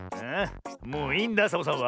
もういいんだサボさんは。